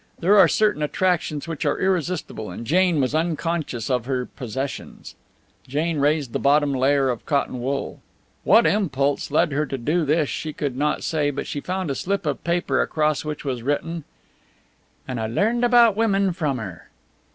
There are certain attractions which are irresistible, and Jane was unconscious of her possessions. Jane raised the bottom layer of cotton wool. What impulse led her to do this she could not say, but she found a slip of paper across which was written: "An' I learned about women from 'er."